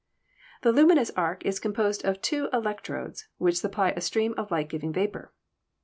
The luminous arc is composed of two electrodes which supply a stream of light giving vapor.